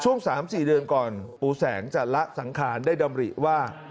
๓๔เดือนก่อนปูแสงจะละสังขารได้ดำริว่า